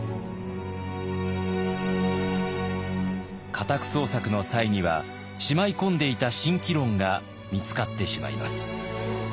家宅捜索の際にはしまいこんでいた「慎機論」が見つかってしまいます。